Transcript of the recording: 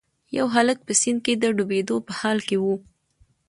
یو هلک په سیند کې د ډوبیدو په حال کې و.